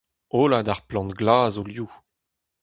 Hollad ar plant glas o liv.